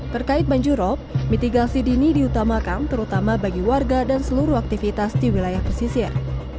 terkait banjirop mitigasi dini diutamakan terutama bagi warga dan seluruh aktivitas di wilayah pesisir